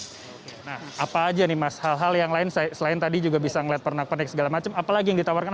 nah apa aja nih mas hal hal yang lain selain tadi juga bisa ngeliat pernak pernik segala macam apalagi yang ditawarkan